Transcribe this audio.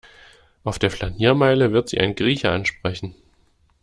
Auf der Flaniermeile wird Sie ein Grieche ansprechen.